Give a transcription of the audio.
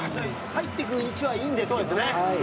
入っていく位置はいいんですけどね。